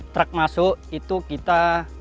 truk masuk itu kita